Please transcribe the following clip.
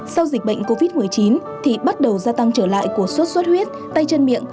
sau dịch bệnh covid một mươi chín thì bắt đầu gia tăng trở lại của sốt xuất huyết tay chân miệng